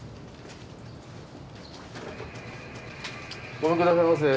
ごめん下さいませ。